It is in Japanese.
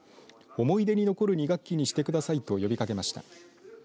思い出に残る２学期にしてくださいと呼びかけました。